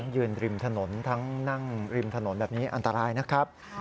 ยืนริมถนนทั้งนั่งริมถนนแบบนี้อันตรายนะครับ